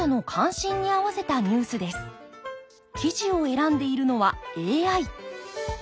記事を選んでいるのはＡＩ。